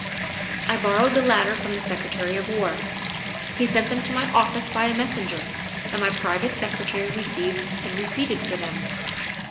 I borrowed the latter from the Secretary of War; he sent them to my office by a messenger and my private secretary received and receipted for them.